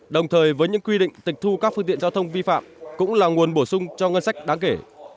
đồng thời với những quy định tịch thu các phương tiện giao thông vi phạm cũng là nguồn bổ sung cho ngân sách đáng kể